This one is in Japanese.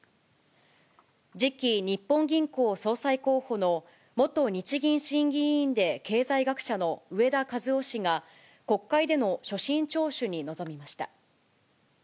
次期日本銀行総裁候補の元日銀審議委員で経済学者の植田和男氏が国会での所信聴取に臨みました。